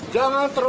jangan terlalu arogan